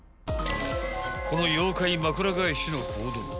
［この妖怪枕返しの行動